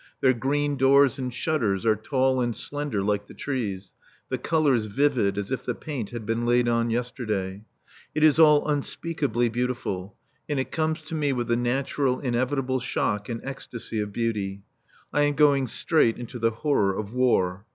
Their green doors and shutters are tall and slender like the trees, the colours vivid as if the paint had been laid on yesterday. It is all unspeakably beautiful and it comes to me with the natural, inevitable shock and ecstasy of beauty. I am going straight into the horror of war.